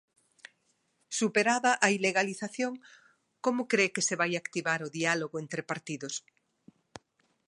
Superada a ilegalización, como cre que se vai activar o diálogo entre partidos?